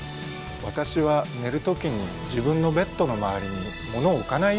私は寝る時に自分のベッドの周りに物を置かないようにしています。